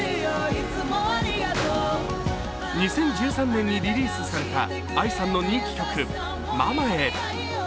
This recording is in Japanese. ２０１３年にリリースされたＡＩさんの人気曲「ママへ」。